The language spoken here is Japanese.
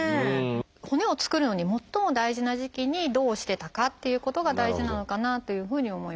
骨を作るのに最も大事な時期にどうしてたかっていうことが大事なのかなというふうに思います。